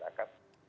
juga dari operasi